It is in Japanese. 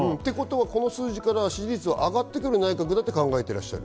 この数字から上がってくる内閣だと考えてらっしゃる。